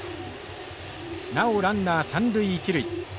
なおランナー三塁一塁。